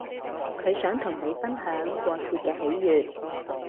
佢想同你分享過節嘅喜悅